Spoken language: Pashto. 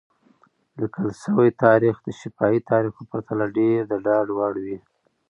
لیکل شوی تاریخ د شفاهي تاریخ په پرتله ډېر د ډاډ وړ وي.